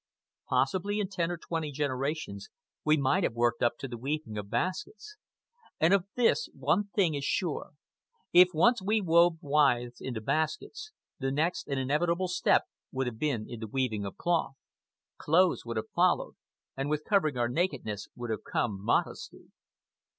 Possibly in ten or twenty generations we might have worked up to the weaving of baskets. And of this, one thing is sure: if once we wove withes into baskets, the next and inevitable step would have been the weaving of cloth. Clothes would have followed, and with covering our nakedness would have come modesty.